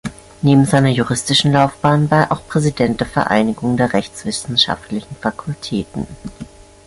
Neben seiner juristischen Laufbahn war er auch Präsident der Vereinigung der Rechtswissenschaftlichen Fakultäten.